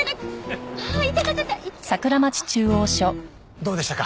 どうでしたか？